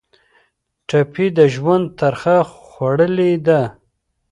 ټپي د ژوند ترخه خوړلې ده.